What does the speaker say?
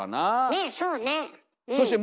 ねえそうね。